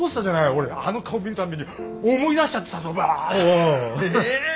俺あの顔見るたんびに思い出しちゃってさバって。